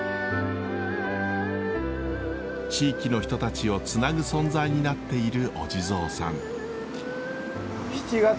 地域の人たちをつなぐ存在になっているお地蔵さん。